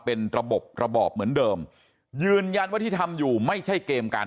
เป็นระบบระบอบเหมือนเดิมยืนยันว่าที่ทำอยู่ไม่ใช่เกมการ